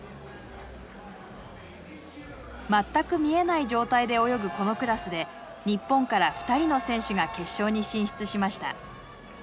全く見えない状態で泳ぐこのクラスで日本から２人の選手が決勝に進出しました。